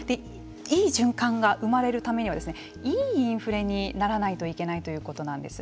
いい循環が生まれるためにはいいインフレにならないといけないということなんです。